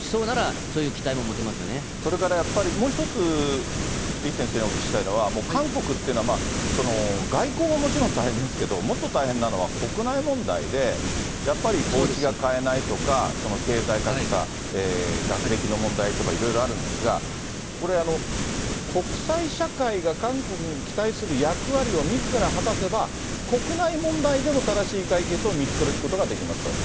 なるほどというふうに思いますけれども、もしそうならその期それからやっぱり、もう一つ、李先生にお聞きしたいのは、韓国っていうのは、外交はもちろん大変ですけれども、もっと大変なのは国内問題で、やっぱりおうちが買えないとか、経済格差、学歴の問題とかいろいろあるんですが、これ、国際社会が韓国に期待する役割をみずから果たせば、国内問題でも正しい解決を見つけることができますと。